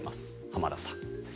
浜田さん。